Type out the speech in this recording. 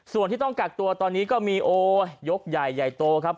ส่วนที่ต้องกักตัวตอนนี้ก็มีโอ้ยกใหญ่ใหญ่โตครับ